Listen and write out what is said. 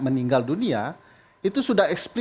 meninggal dunia itu sudah